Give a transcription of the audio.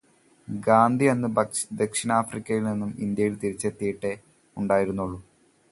ഗാന്ധി അന്ന് ദക്ഷിണാഫ്രിക്കയില് നിന്നും ഇന്ത്യയില് തിരിച്ചെത്തിയിട്ടേ ഉണ്ടായിരുന്നുള്ളൂ.